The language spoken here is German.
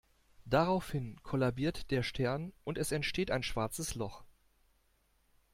Daraufhin kollabiert der Stern und es entsteht ein schwarzes Loch.